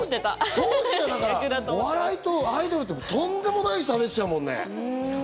当時お笑いとアイドルってとんでもない差でしたもんね。